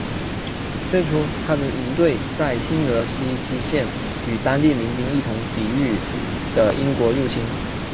最初他的营队在新泽西西线与当地民兵一同抵御的英国入侵。